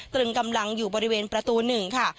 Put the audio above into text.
ตรึงกำลังอยู่บริเวณประตู๑ค่ะ